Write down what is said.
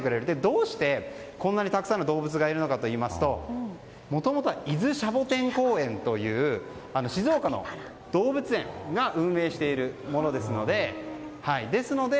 どうしてこんなにたくさんの動物がいるのかといいますともともとは伊豆シャボテン公園という静岡の動物園が運営しているものですので。